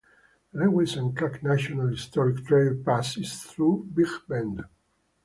The Lewis and Clark National Historic Trail passes through Big Bend.